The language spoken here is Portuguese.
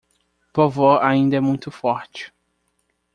Vovó ainda é muito forte